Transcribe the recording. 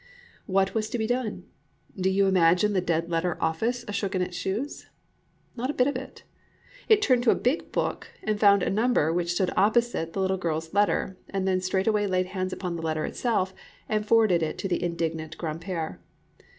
What was to be done? Do you imagine the Dead letter Office shook in its shoes? Not a bit of it. It turned to a big book, and found a number which stood opposite the little girl's letter, and then straightway laid hands upon the letter itself, and forwarded it to the indignant "grandpère."